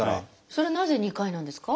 それなぜ２回なんですか？